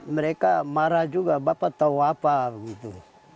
mereka marah juga bapak tahu apa gitu